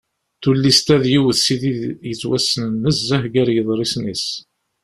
Tullist-a d yiwet si tid yettwassnen nezzeh gar yeḍrisen-is.